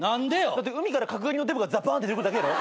だって海から角刈りのデブがザッバン出てくるだけやろ。